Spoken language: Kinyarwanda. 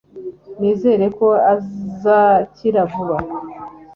nizere ko uzakira vuba